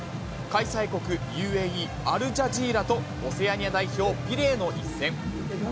開催国ＵＡＥアルジャジーラと、オセアニア代表ピレーの一戦。